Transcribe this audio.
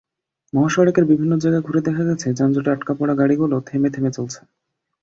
মহাসড়কের বিভিন্ন জায়গা ঘুরে দেখা গেছে, যানজটে আটকা পড়া গাড়িগুলো থেমে থেমে চলছে।